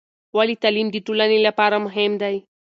ولې تعلیم د ټولنې لپاره مهم دی؟